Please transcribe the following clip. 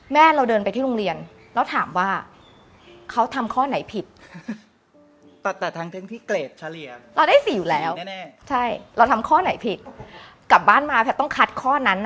แม่เราเดินไปที่โรงเรียนแล้วถามว่า